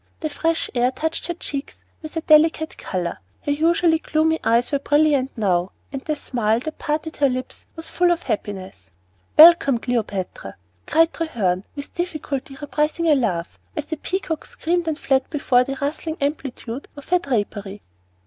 The fresh air touched her cheeks with a delicate color; her usually gloomy eyes were brilliant now, and the smile that parted her lips was full of happiness. "Welcome, Cleopatra!" cried Treherne, with difficulty repressing a laugh, as the peacocks screamed and fled before the rustling amplitude of her drapery.